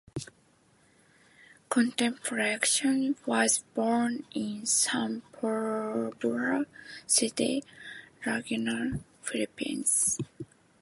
Contemplacion was born in San Pablo City, Laguna, Philippines.